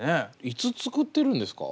いつ作ってるんですか？